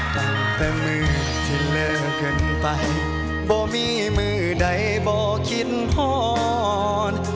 ตั้งแต่มือที่เลิกเกินไปบ่มีมือใดบ่คิดพร